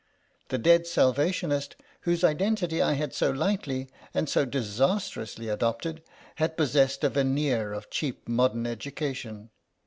The dead Salvationist, whose identity I had so lightly and so disastrously adopted, had possessed a veneer of cheap modern educa tion.